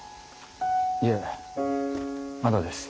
いえまだです。